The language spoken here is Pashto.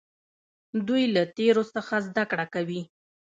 دوی له تیرو څخه زده کړه کوي.